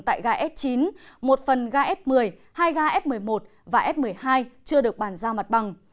tại ga s chín một phần ga s một mươi hai ga s một mươi một và f một mươi hai chưa được bàn giao mặt bằng